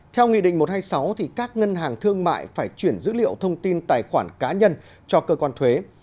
theo nghị định một trăm hai mươi sáu các ngân hàng thương mại phải chuyển dữ liệu thông tin tài khoản cá nhân cho cơ quan thuế